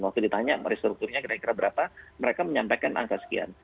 waktu ditanya merestrukturnya kira kira berapa mereka menyampaikan angka sekian